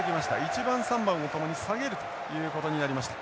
１番３番を共に下げるということになりました。